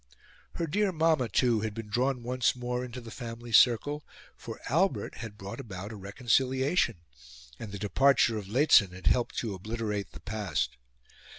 Her dear Mamma, too, had been drawn once more into the family circle, for Albert had brought about a reconciliation, and the departure of Lehzen had helped to obliterate the past.